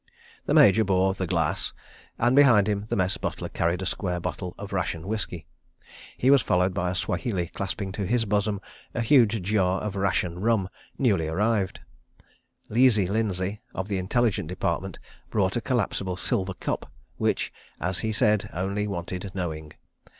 The Major bore The Glass, and, behind him, the Mess butler carried a square bottle of ration whisky. He was followed by a Swahili clasping to his bosom a huge jar of ration rum, newly arrived. "Leesey" Lindsay, of the Intelligence Department, brought a collapsible silver cup, which, as he said, only wanted knowing.